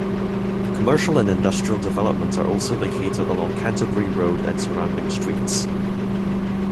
Commercial and industrial developments are also located along Canterbury Road and surrounding streets.